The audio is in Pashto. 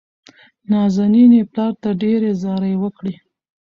نازنين يې پلار ته ډېرې زارۍ وکړې.